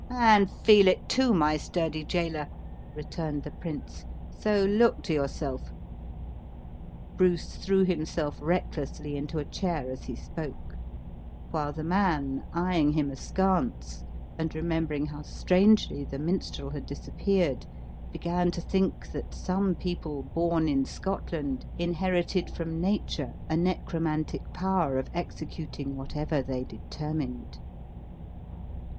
"And feel it too, my sturdy jailer," returned the prince; "so look to yourself." Bruce threw himself recklessly into a chair as he spoke; while the man, eying him askance, and remembering how strangely the minstrel had disappeared, began to think that some people born in Scotland inherited from nature a necromantic power of executing whatever they determined.